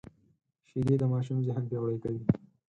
شیدې د ماشوم ذهن پیاوړی کوي